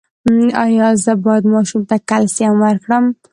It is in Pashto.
ایا زه باید ماشوم ته کلسیم ورکړم؟